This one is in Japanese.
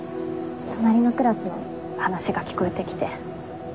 隣のクラスの話が聞こえてきて。